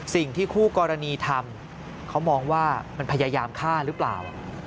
สิ่งที่คู่กรณีทำเขามองว่ามันพยายามฆ่าหรือเปล่า